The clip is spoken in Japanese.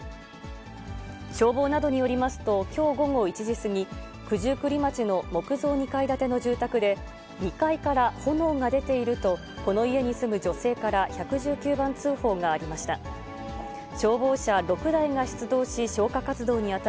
消防などによりますと、きょう午後１時過ぎ、九十九里町の木造２階建ての住宅で、２階から炎が出ていると、この家に住む女性から１１９番通報がありました。